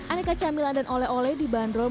aneka camilan dan oleh oleh dibanderol